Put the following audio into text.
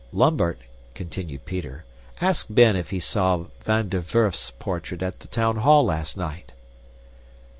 "Lambert," continued Peter, "ask Ben if he saw Van der Werf's portrait at the town hall last night?"